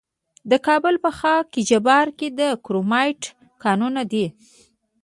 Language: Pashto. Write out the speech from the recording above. د کابل په خاک جبار کې د کرومایټ کانونه دي.